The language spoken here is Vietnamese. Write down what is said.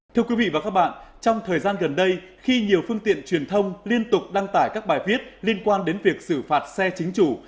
thưa quý vị và các bạn trong thời gian gần đây khi nhiều phương tiện truyền thông liên tục đăng tải các bài viết liên quan đến việc xử phạt xe chính chủ